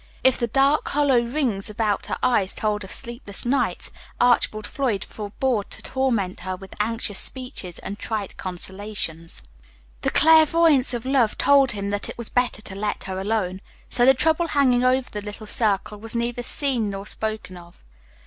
If the dark hollow rings about her eyes told of sleepless nights, Archibald Floyd forbore to torment her with anxious speeches and trite consolations. The clairvoyance of love told him that it was better to let her alone. So the trouble hanging over the little circle was neither seen nor spoken of.